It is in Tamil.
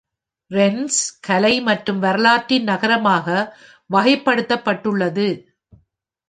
ரென்ஸ் கலை மற்றும் வரலாற்றின் நகரமாக வகைப்படுத்தப்பட்டுள்ளது.